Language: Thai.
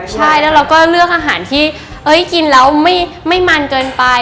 ใช่แล้วเราก็เลือกอาหารที่กินแล้วไม่มันเกินไป